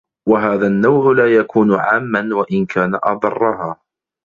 وَهَذَا النَّوْعُ لَا يَكُونُ عَامًّا وَإِنْ كَانَ أَضَرَّهَا